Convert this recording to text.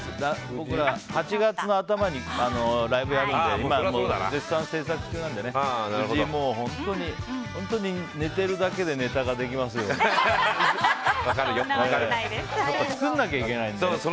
僕は８月の頭にライブをやるので今、絶賛制作中なので本当、寝てるだけでネタができますように！作らなきゃいけないんでね。